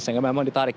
sehingga memang ditarik